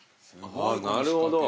なるほど。